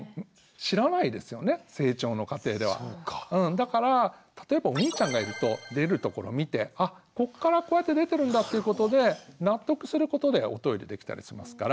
だから例えばお兄ちゃんがいると出るところ見てあこっからこうやって出てるんだっていうことで納得することでおトイレできたりしますから。